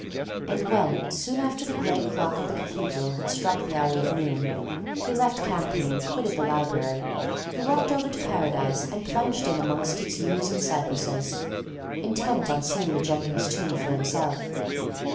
And when, soon after the great clock of the Cathedral had struck the hour of noon, he left Campany and quitted the Library, he walked over to Paradise and plunged in amongst its yews and cypresses, intent on seeing the Jenkins tomb for himself.